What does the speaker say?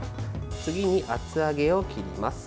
次に、厚揚げを切ります。